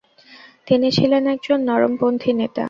তিনি ছিলেন একজন নরমপন্থী নেতা।